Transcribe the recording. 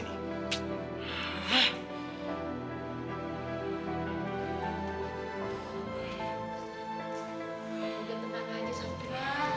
tante jangan teman aja sama era